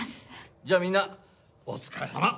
じゃあみんなお疲れさま。